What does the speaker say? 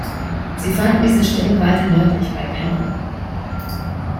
Sie fanden diese Stelle weiter nördlich bei Pelham.